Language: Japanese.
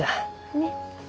ねっ。